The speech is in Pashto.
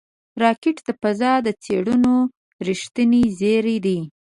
راکټ د فضا د څېړنو رېښتینی زېری دی